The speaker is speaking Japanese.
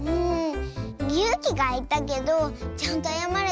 ゆうきがいったけどちゃんとあやまれてよかった。